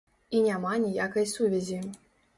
І няма ніякай сувязі.